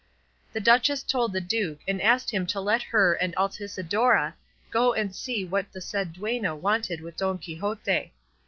The duchess told the duke, and asked him to let her and Altisidora go and see what the said duenna wanted with Don Quixote.